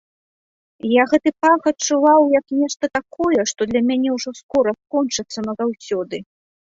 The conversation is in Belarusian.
Я гэты пах адчуваў, як нешта такое, што для мяне ўжо скора скончыцца назаўсёды.